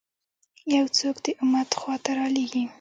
یو څوک د امت خوا ته رالېږي.